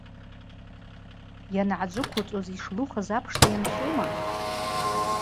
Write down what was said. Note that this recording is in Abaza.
Йангӏаджвыквуцӏуз йшлухыз апшта йынхума?